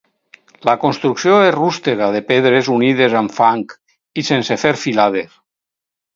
La construcció és rústega de pedres unides amb fang i sense fer filades.